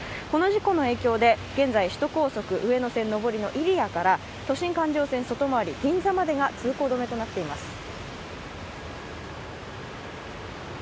この事故の影響で現在首都高速上野から入谷から都心環状線外回り、銀座までが通行止めとなっています。